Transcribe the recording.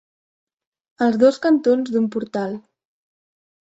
Els dos cantons d'un portal.